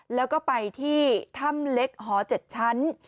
แล้วก็ไปที่ถ้ำเล็กหอ๗ชั้น